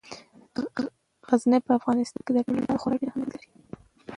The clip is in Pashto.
غزني په افغانستان کې د ټولو لپاره خورا ډېر اهمیت لري.